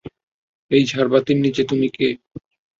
এই ঝারবাতির নিচে, - তুমি কে?